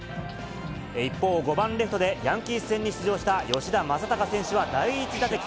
一方、５番レフトでヤンキース戦に出場した吉田正尚選手は第１打席。